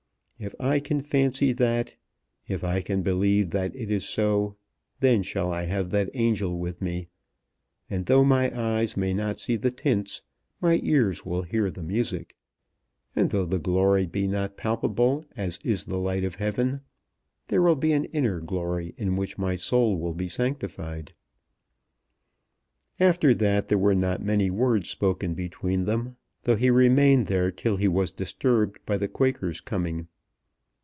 If I can fancy that, if I can believe that it is so, then shall I have that angel with me, and though my eyes may not see the tints, my ears will hear the music; and though the glory be not palpable as is the light of heaven, there will be an inner glory in which my soul will be sanctified." After that there were not many words spoken between them, though he remained there till he was disturbed by the Quaker's coming.